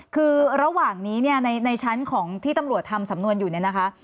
คือระหว่างนี้ในชั้นที่ตำรวจทำซำนวนอยู่นี่นะคะ